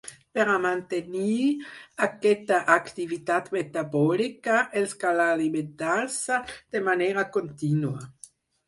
Per a mantenir aquesta activitat metabòlica els cal alimentar-se de manera contínua.